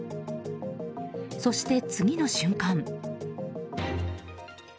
そして、次の瞬間。